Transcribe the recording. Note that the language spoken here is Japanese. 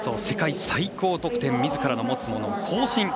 世界最高得点みずからの持つものを更新。